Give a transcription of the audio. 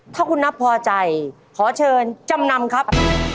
ถ้าคุณนับพอใจขอเชิญจำนำครับ